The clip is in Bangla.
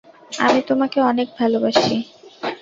আমি তোমাকে অনেক ভালবাসি।